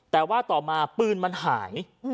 แต่ว่าต่อมาปืนมันหาย